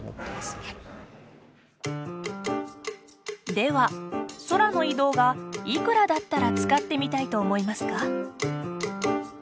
では、空の移動がいくらだったら使ってみたいと思いますか。